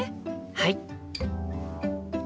はい！